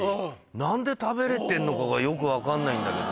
何で食べれてんのかがよく分かんないんだけど。